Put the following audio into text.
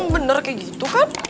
bener kayak gitu kan